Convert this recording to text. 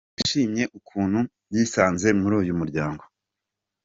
Yashimye ukuntu yisanze muri uyu muryango.